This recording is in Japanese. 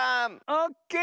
オッケー。